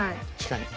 確かに。